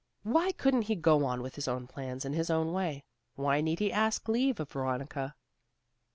Why couldn't he go on with his own plans in his own way? Why need he ask leave of Veronica?